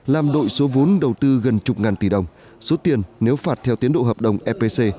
làm đội số vốn đầu tư gần chục ngàn tỷ đồng số tiền nếu phạt theo tiến độ hợp đồng epc